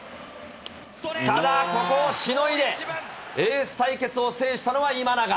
ただここをしのいで、エース対決を制したのは今永。